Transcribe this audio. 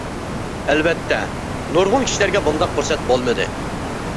ئەلۋەتتە، نۇرغۇن كىشىلەرگە بۇنداق پۇرسەت بولمىدى.